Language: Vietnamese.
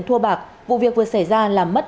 thua bạc vụ việc vừa xảy ra làm mất